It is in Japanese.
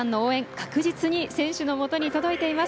確実に選手のもとに届いています。